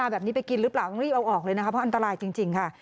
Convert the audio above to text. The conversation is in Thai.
แบบนี้ไปกินหรือเปล่าต้องรีบเอาออกเลยนะคะเพราะอันตรายจริงค่ะ